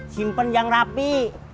simpen yang rapi